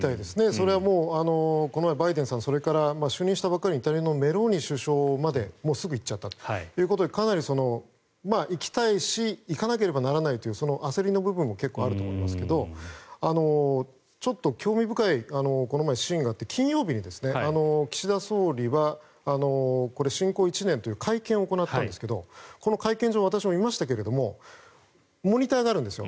それはこの間、バイデンさん就任したばかりのイタリアのメローニ首相まですぐ行っちゃったということでかなり行きたいし行かなければならないという焦りの部分も結構あると思いますけどちょっと興味深いシーンがこの前あって金曜日に岸田総理は侵攻１年という会見を行ったんですがこの会見場、私も見ましたがモニターがあるんですよ。